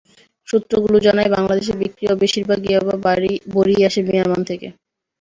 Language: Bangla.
সূত্রগুলো জানায়, বাংলাদেশে বিক্রি হওয়া বেশির ভাগ ইয়াবা বড়িই আসে মিয়ানমার থেকে।